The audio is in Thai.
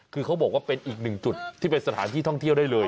คือเขาบอกว่าเป็นอีกหนึ่งจุดที่เป็นสถานที่ท่องเที่ยวได้เลย